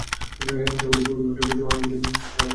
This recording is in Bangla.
এ মহাসাগরটির উপকূল অঞ্চলে প্রচুর অনাবাদী এলাকা রয়েছে।